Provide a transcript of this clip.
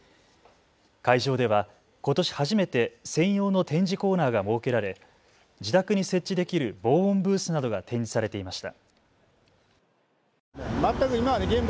会場ではことし初めて専用の展示コーナーが設けられ自宅に設置できる防音ブースなどが展示されていました。